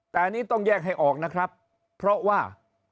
แต่อันนี้ต้องแยกให้ออกนะครับเพราะว่า